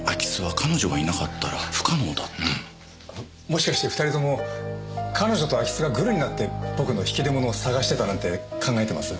もしかして２人とも彼女と空き巣がグルになって僕の引き出物を捜してたなんて考えてます？